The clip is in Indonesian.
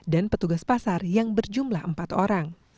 dan petugas pasar yang berjumlah empat orang